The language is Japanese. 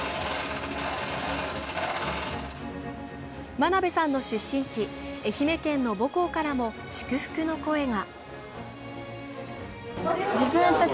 真鍋さんの出身地、愛媛県の母校からも祝福の声が。